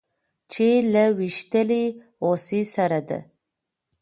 چې له ويشتلې هوسۍ سره د